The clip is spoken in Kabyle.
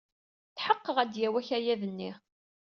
Tḥeqqeɣ ad d-yawey akayad-nni.